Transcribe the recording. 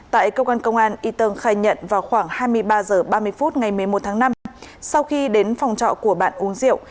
tại công an y tân khai nhận vào khoảng hai mươi ba giờ ba mươi phút ngày một mươi một tháng năm sau khi đến phòng trọ của bạn uống rượu